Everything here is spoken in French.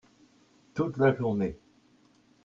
Toute la journée.